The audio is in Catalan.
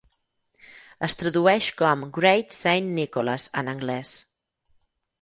Es tradueix com "Great Saint Nicholas" en anglès.